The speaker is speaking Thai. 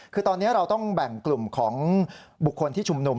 คือตอนนี้เราต้องแบ่งกลุ่มของบุคคลที่ชุมนุม